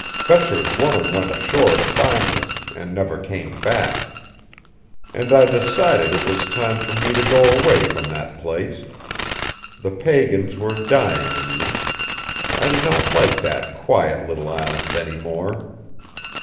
"Fetcher's woman went ashore to find him and never came back. And I decided it was time for me to go away from that place. The pagans were dying in me. I did not like that quiet little island any more.